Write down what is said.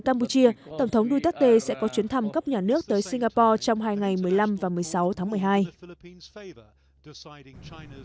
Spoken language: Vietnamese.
campuchia tổng thống duterte sẽ có chuyến thăm cấp nhà nước tới singapore trong hai ngày một mươi năm và một mươi sáu tháng một mươi hai